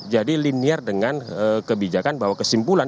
jadi linier dengan kebijakan bahwa kesimpulan